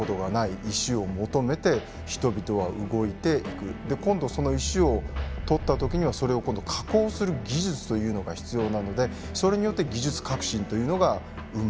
ただそこに今度その石を採った時にはそれを今度加工する技術というのが必要なのでそれによって技術革新というのが生まれてくるっていう。